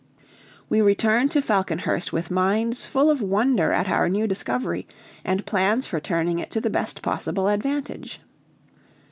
We returned to Falconhurst with minds full of wonder at our new discovery, and plans for turning it to the best possible advantage.